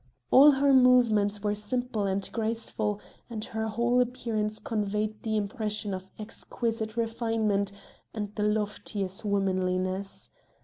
All her movements were simple and graceful and her whole appearance conveyed the impression of exquisite refinement and the loftiest womanliness.